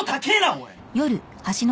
おい。